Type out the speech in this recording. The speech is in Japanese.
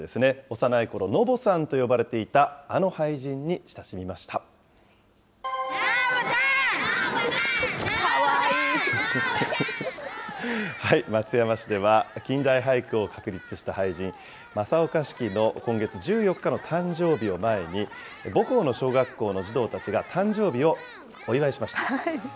幼いころ、のぼさんと呼ばれていた、松山市では、近代俳句を確立した俳人、正岡子規の今月１４日の誕生日を前に、母校の小学校の児童たちが誕生日をお祝いしました。